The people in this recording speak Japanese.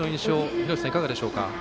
廣瀬さん、いかがでしょうか？